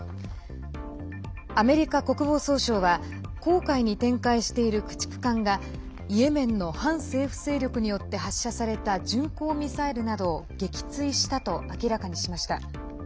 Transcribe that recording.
アメリカ国防総省は紅海に展開している駆逐艦がイエメンの反政府勢力によって発射された巡航ミサイルなどを撃墜したと明らかにしました。